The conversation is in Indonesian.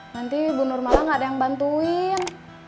nanti bunur malah gak ada yang bantuin